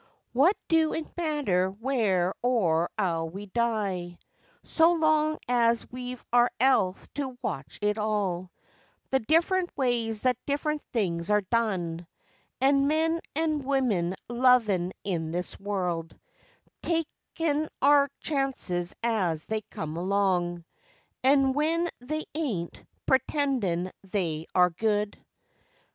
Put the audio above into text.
What do it matter where or 'ow we die, So long as we've our 'ealth to watch it all The different ways that different things are done, An' men an' women lovin' in this world Takin' our chances as they come along, An' when they ain't, pretendin' they are good?